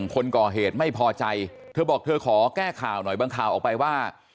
คนก่อเหตุไม่พอใจเธอบอกเธอขอแก้ข่าวหน่อยบางข่าวออกไปว่า